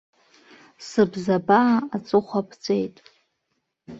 Сыбзабаа аҵыхәа ԥҵәеит.